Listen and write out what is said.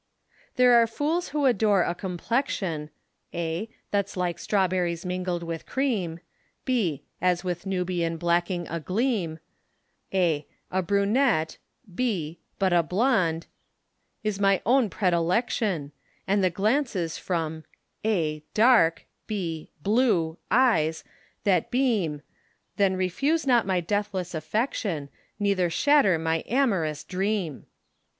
There are fools who adore a complexion That's like strawberries mingled with cream. } As with Nubian blacking a gleam } A brunette } is my own predilection, But a blonde } And the glances from { dark } eyes that beam { blue } Then refuse not my deathless affection, Neither shatter my amorous dream.